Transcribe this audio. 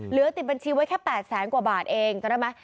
เหลือติดบัญชีไว้แค่๘แสนกว่าบาทเองจำได้ไหม